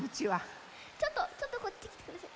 ちょっとちょっとこっちきてください。